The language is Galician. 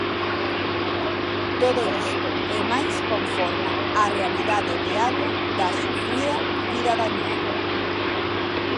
Todo isto e máis conforma a realidade diaria da sufrida cidadanía.